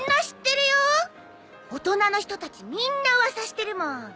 大人の人たちみんな噂してるもん。